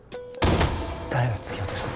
誰が突き落としたの？